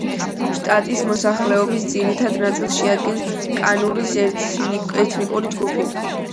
შტატის მოსახლეობის ძირითად ნაწილს შეადგენს კანურის ეთნიკური ჯგუფი.